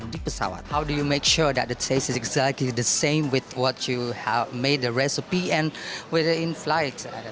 bagaimana cara anda memastikan rasa tersebut sama dengan resep yang telah anda buat dan di pesawat